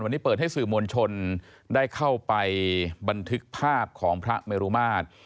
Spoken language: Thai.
วันนี้เปิดให้สื่อมวลชนได้เข้าไปบันทึกภาพของพระเมรุมาตร